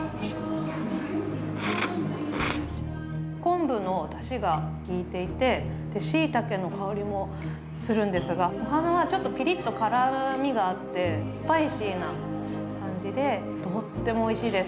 昆布のだしがきいていてしいたけの香りもするんですがお花がちょっと辛みがあってスパイシーな感じで、とってもおいしいです。